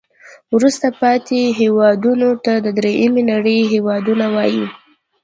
وروسته پاتې هیوادونو ته د دریمې نړۍ هېوادونه وایي.